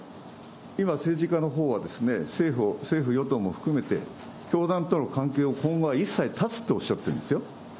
今、政治家のほうは、政府・与党も含めて、教団との関係を今後は一切断つとおっしゃってるんですよ。